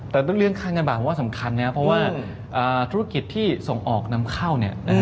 แต่เรื่องค่าเงินบาทผมว่าสำคัญนะครับเพราะว่าธุรกิจที่ส่งออกนำเข้าเนี่ย